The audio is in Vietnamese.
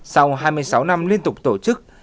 sau hai mươi sáu năm liên tục tổ chức